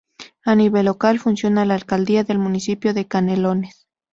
A nivel local, funciona la Alcaldía del Municipio de Canelones.